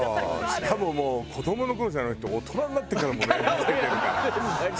しかももう子どもの頃じゃなくて大人になってからもねつけてるから。